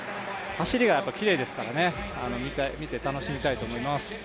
走りがやはりきれいですから、見て楽しみたいと思います。